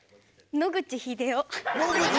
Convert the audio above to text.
野口英世